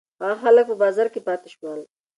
هغه خلک چې په بازار کې پاتې شول.